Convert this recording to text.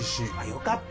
よかった！